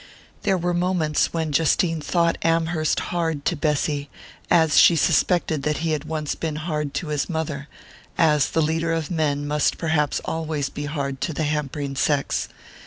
There were moments when Justine thought Amherst hard to Bessy, as she suspected that he had once been hard to his mother as the leader of men must perhaps always be hard to the hampering sex.